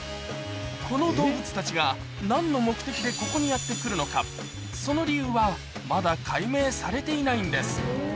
この動物たちがなんの目的でここにやって来るのか、その理由はまだ解明されていないんです。